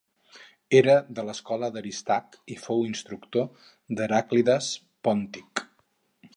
Era de l'escola d'Aristarc i fou instructor d'Heràclides Pòntic.